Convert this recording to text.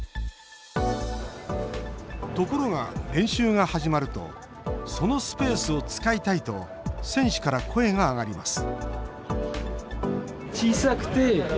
ところが、練習が始まるとそのスペースを使いたいと選手から声が上がります